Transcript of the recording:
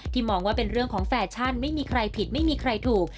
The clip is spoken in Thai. มองว่าเป็นเรื่องของแฟชั่นไม่มีใครผิดไม่มีใครถูก